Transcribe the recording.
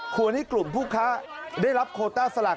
ให้กลุ่มผู้ค้าได้รับโคต้าสลาก